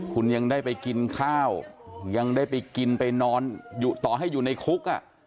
คุณยังได้ไปกินข้าวยังได้ไปกินไปนอนอยู่ต่อให้อยู่ในคุก